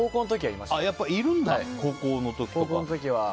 やっぱいるんだ、高校の時は。